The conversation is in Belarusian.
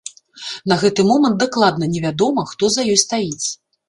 На гэты момант дакладна не вядома, хто за ёй стаіць.